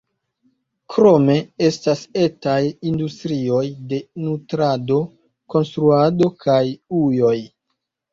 Krome estas etaj industrioj de nutrado, konstruado kaj ujoj.